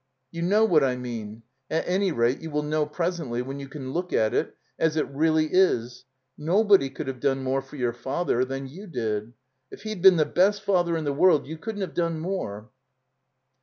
*'You know what I mean. At any rate, you will know presently when you can look at it as it reelly 343 THE COMBINED MAZE is. Nobody could have done more for your father than you (Ud. If he'd been the best father in the world you couldn't have done more."